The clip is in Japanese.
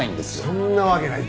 そんなわけない。